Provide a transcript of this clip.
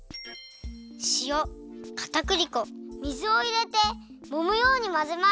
しおかたくり粉水をいれてもむようにまぜます。